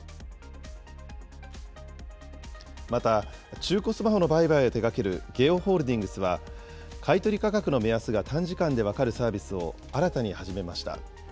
また、中古スマホの売買を手がけるゲオホールディングスは、買い取り価格の目安が短時間で分かるサービスを新たに始めました。